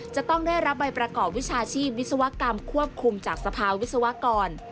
จะต้องได้รับใบประกอบวิชาชีพวิศวกรรมควบคุมจากสภาวิศวกร